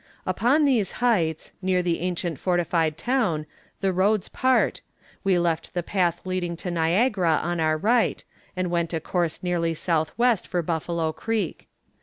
"Upon these heights, near the ancient fortified town, the roads part; we left the path leading to Niagara on our right, and went a course nearly south west for Buffalo Creek.